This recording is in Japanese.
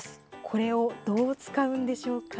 これをどう使うんでしょうか。